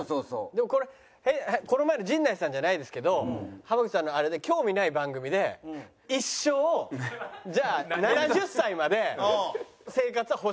でもこれこの前の陣内さんじゃないですけど濱口さんのあれで興味ない番組で一生じゃあ７０歳まで生活は保障してあげると。